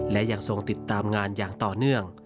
และยังทรงติดตามงานอย่างต่อเนื่อง